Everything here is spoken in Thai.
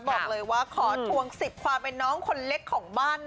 บอกเลยว่าขอทวงสิทธิ์ความเป็นน้องคนเล็กของบ้าน